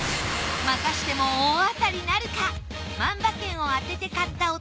またしても大当たりなるか！？